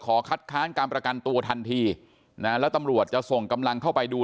คัดค้านการประกันตัวทันทีนะแล้วตำรวจจะส่งกำลังเข้าไปดู